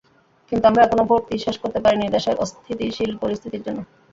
কিন্তু আমরা এখনো ভর্তিই শেষ করে পারিনি দেশের অস্থিতিশীল পরিস্থিতির জন্য।